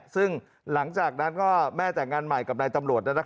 ซึ่งหลังจากนั้นก็แม่แต่งงานใหม่กับนายตำรวจ